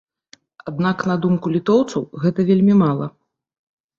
Аднак, на думку літоўцаў, гэта вельмі мала.